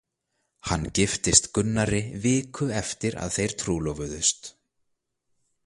Hann giftist Gunnari viku eftir að þeir trúlofuðust.